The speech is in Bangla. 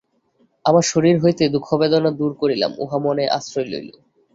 আমরা শরীর হইতে দুঃখবেদনা দূর করিলাম, উহা মনে আশ্রয় লইল।